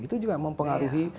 itu juga mempengaruhi